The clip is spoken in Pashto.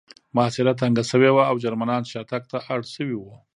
محاصره تنګه شوې وه او جرمنان شاتګ ته اړ شوي وو